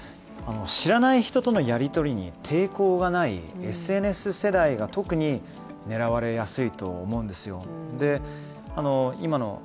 知らない人とのやりとりに抵抗がないＳＮＳ世代が特に狙われやすいと思うんですよ。